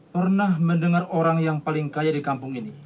pernah mendengar orang yang paling kaya di kampung ini